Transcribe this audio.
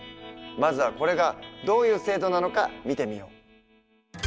まずはこれがどういう制度なのか見てみよう。